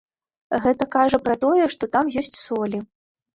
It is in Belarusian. Гэта кажа пра тое, што там ёсць солі.